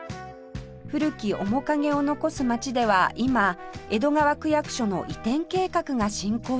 古き面影を残す街では今江戸川区役所の移転計画が進行中